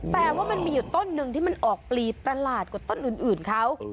แต่ว่ามันมีอีกต้อนึงที่ออกปลีตลาดกว่าอีกต้นอื่นขย์เขา